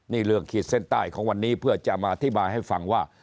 นี่เรื่องขีดเส้นใต้ของวันนี้เพื่อจะมาอธิบายให้ฟังว่า